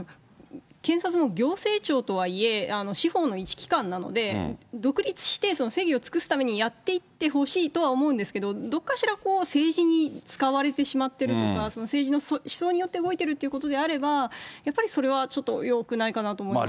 検察も行政庁とはいえ、司法の一機関なので、独立して、正義を尽くすためにやっていってほしいとは思うんですけれども、どっかしら、政治に使われてしまっているとか、その政治の思想によって動いてるということであれば、やっぱりそれはちょっとよくないかなと思いますよね。